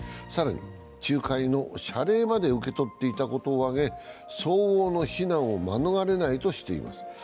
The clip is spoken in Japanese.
更に仲介の謝礼まで受け取っていたことを挙げ相応の非難を免れないとしています。